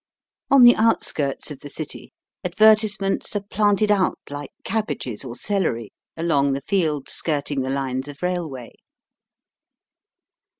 On the outskirts of the city advertisements are planted out like cabbages or celery along the fields skirting the lines of railway.